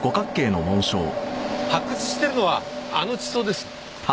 発掘してるのはあの地層です。